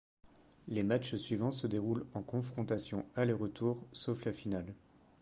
Les matchs suivant se déroulent en confrontation aller-retour, sauf la finale.